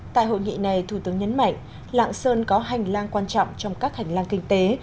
tại hội nghị này thủ tướng nhấn mạnh lạng sơn có hành lang quan trọng trong các hành lang kinh tế